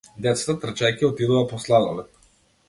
Децата трчајќи отидоа по сладолед.